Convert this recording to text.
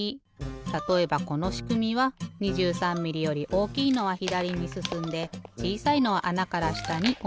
たとえばこのしくみは２３ミリより大きいのはひだりにすすんでちいさいのはあなからしたにおちる。